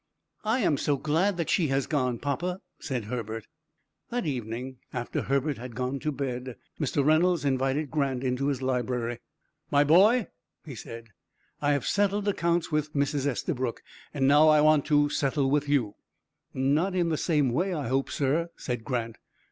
"I am so glad that she has gone, papa," said Herbert. That evening, after Herbert had gone to bed, Mr. Reynolds invited Grant into his library. "My boy," he said, "I have settled accounts with Mrs. Estabrook; now I want to settle with you." "Not in the same way, I hope, sir," said Grant.